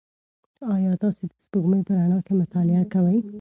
ایا تاسي د سپوږمۍ په رڼا کې مطالعه کوئ؟